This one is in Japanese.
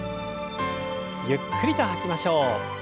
ゆっくりと吐きましょう。